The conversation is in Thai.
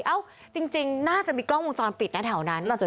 เอ้าจริงน่าจะมีกล้องวงจรปิดนะแถวนั้น